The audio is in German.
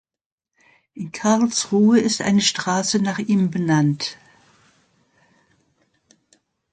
In Karlsruhe ist eine Straße nach ihm benannt.